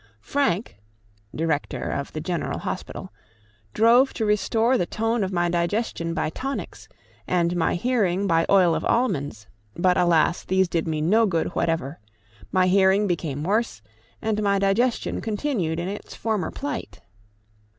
Frank [Director of the General Hospital] strove to restore the tone of my digestion by tonics, and my hearing by oil of almonds; but alas! these did me no good whatever; my hearing became worse, and my digestion continued in its former plight.